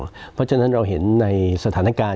เพราะฉะนั้นเราเห็นในสถานการณ์